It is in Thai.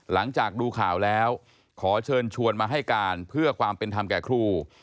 หลังจากดูข่าวแล้วขอเชิญชวนมาให้การเพื่อความเป็นธรรมแก่ครู